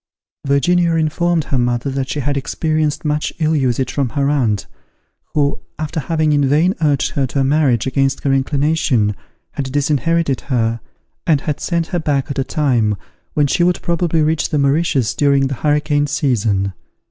Virginia informed her mother that she had experienced much ill usage from her aunt, who, after having in vain urged her to a marriage against her inclination, had disinherited her, and had sent her back at a time when she would probably reach the Mauritius during the hurricane season.